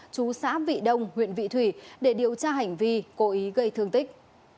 chú xã vị đông huyện vị thủy để điều tra hành vi cố ý gây thương tích